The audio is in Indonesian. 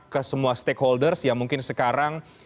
ke semua stakeholders yang mungkin sekarang